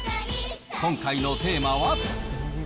今回のテーマは。